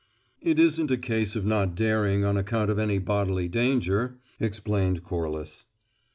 "It isn't a case of not daring on account of any bodily danger," explained Corliss.